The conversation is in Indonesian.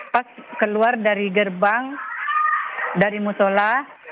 pas keluar dari gerbang dari musola